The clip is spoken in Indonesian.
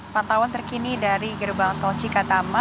pantauan terkini dari gerbang tol cikatama